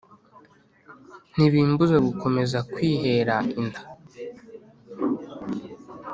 ntibimbuza gukomeza kwihera inda."